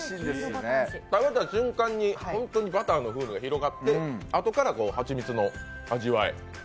食べた瞬間に本当にバターの風味が広がって、あとから蜂蜜の味わい。